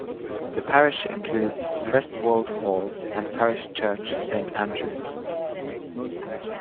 The parish includes Prestwold Hall and parish church Saint Andrew.